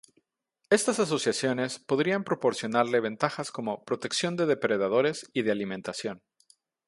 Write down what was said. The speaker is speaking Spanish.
Estas asociaciones podrían proporcionarle ventajas como protección de depredadores y de alimentación.